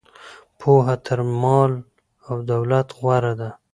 پوهه تر مال او دولت غوره ده.